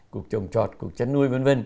cục trồng trọt cục chăn nuôi v v